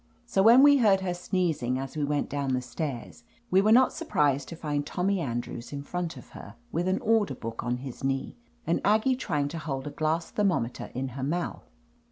So when we heard her sneezing as we went down the stairs, we were not sur prised to find Tommy Andrews In front of her with an order book on his knee, and Aggie try ing to hold a glass thermometer in her mouth.